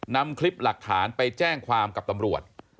นำคลิปหลักฐานไปแจ้งความกับตำรวจ